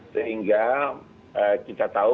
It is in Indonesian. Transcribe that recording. sehingga kita tahu